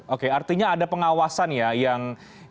oke artinya ada pengawasan ya yang yang diperhatikan